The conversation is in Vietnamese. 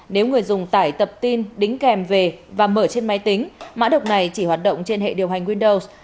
nếu người dùng tải tập tin đính kèm về và mở trên máy tính mã độc này chỉ hoạt động trên hệ điều hành windows